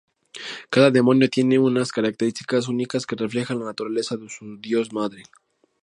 Cada demonio tiene unas características únicas que reflejan la naturaleza de su dios madre.